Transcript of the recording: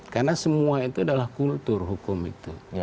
karena semua itu adalah kultur hukum itu